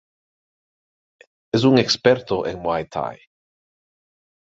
Es un experto en Muay Thai.